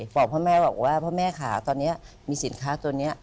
บอกพ่อแม่บอกว่าพ่อแม่ค่ะตอนนี้มีสินค้าตัวนี้